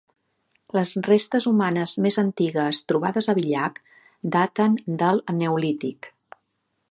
Les restes humanes més antigues trobades a Villach daten del neolític.